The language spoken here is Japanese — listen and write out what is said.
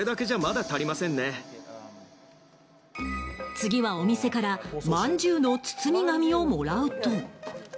次はお店からまんじゅうの包み紙をもらうと。